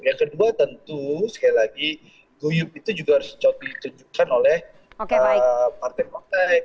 yang kedua tentu sekali lagi kuyuk itu juga harus dicontohkan oleh partai partai pimpinan partai yang ada